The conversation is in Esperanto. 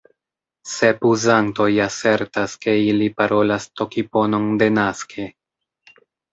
Sep uzantoj asertas, ke ili parolas tokiponon denaske.